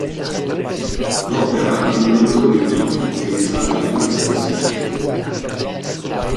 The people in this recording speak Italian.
L'opera di un autore ignoto che risale alla metà del Seicento.